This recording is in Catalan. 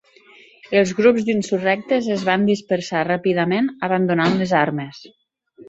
Els grups d'insurrectes es van dispersar ràpidament, abandonant les armes.